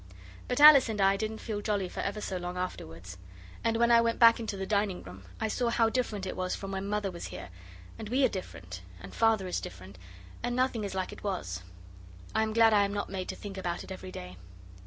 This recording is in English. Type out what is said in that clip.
But Alice and I didn't feel jolly for ever so long afterwards. And when I went back into the dining room I saw how different it was from when Mother was here, and we are different, and Father is different, and nothing is like it was. I am glad I am not made to think about it every day.